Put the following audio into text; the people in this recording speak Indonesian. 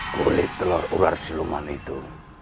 kulit telur ular si luman itu